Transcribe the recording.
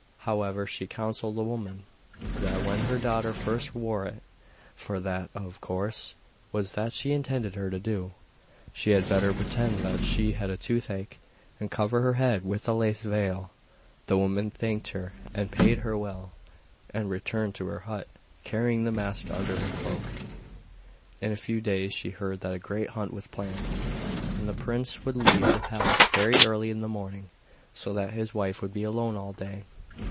However, she counselled the woman that when her daughter first wore it for that, of course, was what she intended her to do she had better pretend that she had a toothache, and cover her head with a lace veil. The woman thanked her and paid her well, and returned to her hut, carrying the mask under her cloak. In a few days she heard that a great hunt was planned, and the prince would leave the palace very early in the morning, so that his wife would be alone all day.